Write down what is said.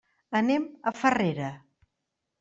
Anem a Farrera.